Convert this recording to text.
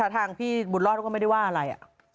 ทางพี่บุตรรอศก็ไม่ได้ว่าอะไร